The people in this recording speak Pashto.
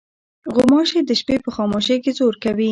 غوماشې د شپې په خاموشۍ کې زور کوي.